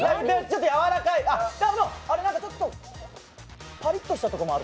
あれ、なんかパリッとしたところもある。